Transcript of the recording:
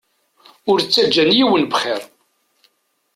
Ur ttaǧǧan yiwen bxir.